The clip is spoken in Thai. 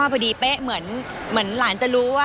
เป๊ะเหมือนหลานจะรู้ว่า